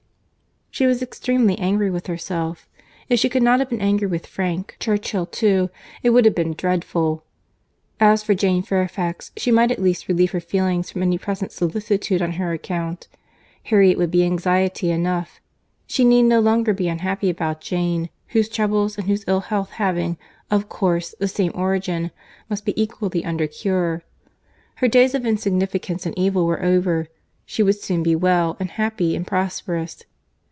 She was extremely angry with herself. If she could not have been angry with Frank Churchill too, it would have been dreadful.—As for Jane Fairfax, she might at least relieve her feelings from any present solicitude on her account. Harriet would be anxiety enough; she need no longer be unhappy about Jane, whose troubles and whose ill health having, of course, the same origin, must be equally under cure.—Her days of insignificance and evil were over.—She would soon be well, and happy, and prosperous.